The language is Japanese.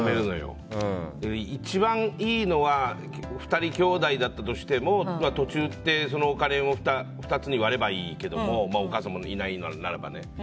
一番いいのは２人きょうだいだったとしてもお金を２つに割ればいいけどお母様がいないならね。